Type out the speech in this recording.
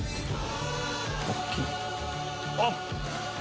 あっ！